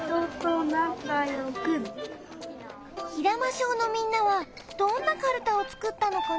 平間小のみんなはどんなかるたをつくったのかな？